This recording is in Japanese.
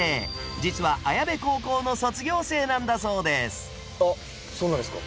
実は綾部高校の卒業生なんだそうですあっそうなんですか？